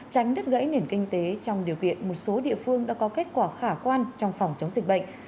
tránh đứt gãy nền kinh tế trong điều kiện một số địa phương đã có kết quả khả quan trong phòng chống dịch bệnh